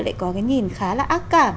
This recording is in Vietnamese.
lại có cái nhìn khá là ác cảm